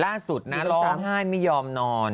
ล่าสุดนะร้องไห้ไม่ยอมนอน